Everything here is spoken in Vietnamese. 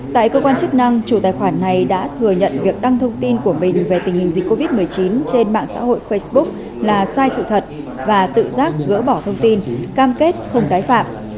tại cơ quan chức năng chủ tài khoản này đã thừa nhận việc đăng thông tin của mình về tình hình dịch covid một mươi chín trên mạng xã hội facebook là sai sự thật và tự giác gỡ bỏ thông tin cam kết không tái phạm